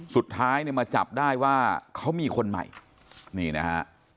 สุดท้ายเนี่ยมาจับได้ว่าเขามีคนใหม่นี่นะฮะ